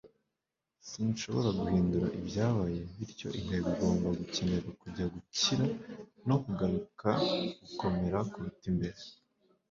sinshobora guhindura ibyabaye, bityo intego igomba gukenera kujya gukira no kugaruka gukomera kuruta mbere